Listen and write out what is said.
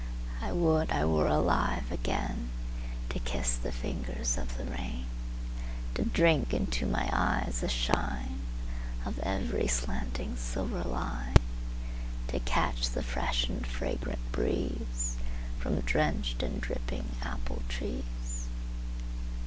I would I were alive againTo kiss the fingers of the rain, To drink into my eyes the shineOf every slanting silver line, To catch the freshened, fragrant breezeFrom drenched and dripping apple trees.